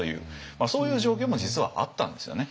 そういう状況も実はあったんですよね。